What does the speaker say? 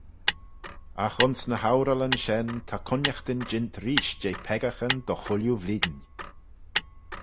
Agh ayns ny ourallyn shen ta cooinaghtyn jeant reesht jeh peccaghyn dy chooilley vlein.